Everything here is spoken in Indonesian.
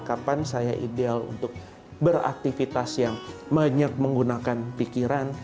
kapan saya ideal untuk beraktivitas yang banyak menggunakan pikiran